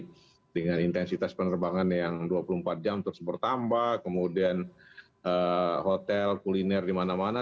jadi dengan intensitas penerbangan yang dua puluh empat jam terus bertambah kemudian hotel kuliner di mana mana